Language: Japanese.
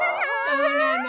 そうなの。